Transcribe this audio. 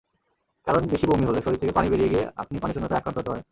কারণ বেশি বমি হলে শরীর থেকে পানি বেরিয়ে গিয়ে আপনি পানিশূন্যতায় আক্রান্ত হতে পারেন।